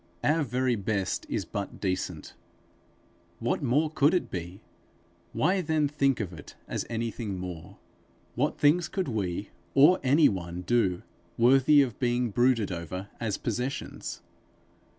Our very best is but decent. What more could it be? Why then think of it as anything more? What things could we or any one do, worthy of being brooded over as possessions.